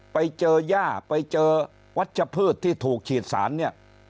ไปเจอย่าไปเจอวัชพืชที่ถูกฉีดสารเนี่ย